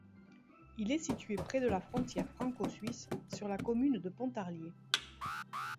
Il est situé près de la frontière franco-suisse, sur la commune de Pontarlier.